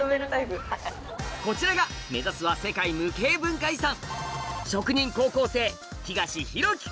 こちらが目指すは世界無形文化遺産